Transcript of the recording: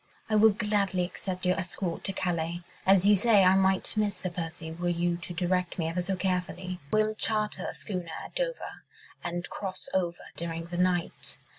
I will gladly accept your escort to Calais ... as you say, I might miss Sir Percy were you to direct me ever so carefully. We'll charter a schooner at Dover and cross over during the night.